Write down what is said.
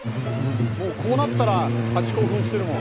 「もうこうなったらハチ興奮してるもん」